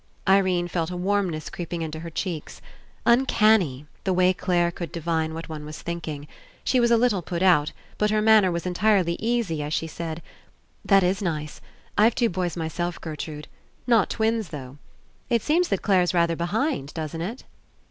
Irene felt a warmness creeping Into her cheeks. Uncanny, the way Clare could divine what one was thinking. She was a little put out, but her manner was entirely easy as she said: "That Is nice. I've two boys myself, Gertrude. 58 ENCOUNTER Not twins, though. It seems that Clare's rather behind, doesn't It?"